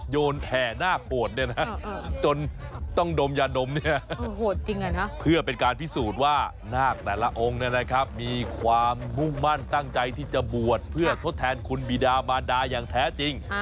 จริงด้วยประโปรงนี้นะครับมีความมุ่งมั่นตั้งใจที่จะบวชเพื่อการทดแทนคุณบีฎ้าบาร์ดาอย่างแท้จริง